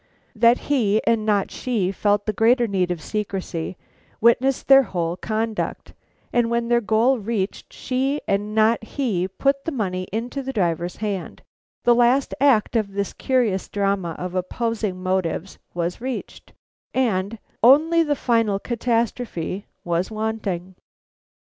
That he and not she felt the greater need of secrecy, witness their whole conduct, and when, their goal reached, she and not he put the money into the driver's hand, the last act of this curious drama of opposing motives was reached, and only the final catastrophe was wanting.